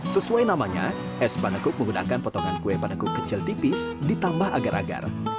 sesuai namanya es panekuk menggunakan potongan kue panekuk kecil tipis ditambah agar agar